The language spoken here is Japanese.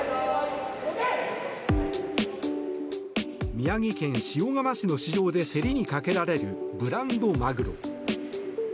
宮城県塩釜市の市場で競りにかけられるブランドマグロ。